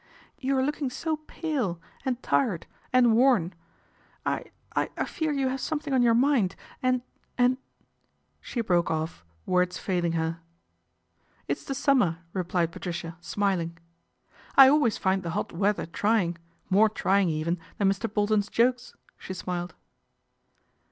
" You are looking so pale and tired and worn. I I fear you have something on your mind and and " she broke off, words failing her. "It's the summer/' replied Patricia, smiling. " I always find the hot weather trying, more trying even than Mr. Bolton's jokes," she smiled.